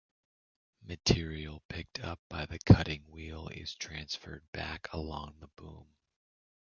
Material picked up by the cutting wheel is transferred back along the boom.